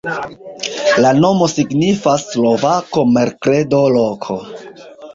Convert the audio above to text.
La nomo signifas: slovako-merkredo-loko.